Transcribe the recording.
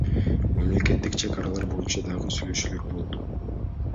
Мамлекеттик чек аралар боюнча дагы сүйлөшүүлөр болду.